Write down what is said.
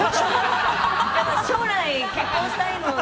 将来結婚したいので。